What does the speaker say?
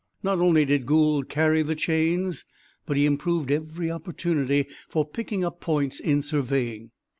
Not only did Gould carry the chains but he improved every opportunity for picking up points in surveying.